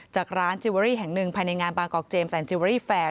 จากร้านจิเวอรี่แห่งหนึ่งภายในงานบางกอกเจมสนจิเวอรี่แฟร์